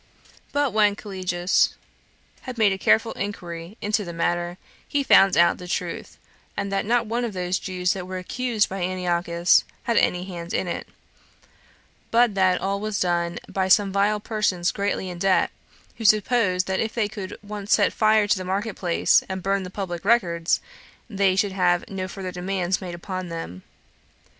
But when Collegas had made a careful inquiry into the matter, he found out the truth, and that not one of those Jews that were accused by Antiochus had any hand in it, but that all was done by some vile persons greatly in debt, who supposed that if they could once set fire to the market place, and burn the public records, they should have no further demands made upon them.